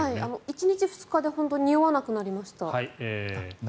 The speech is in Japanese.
１日、２日でにおわなくなりました。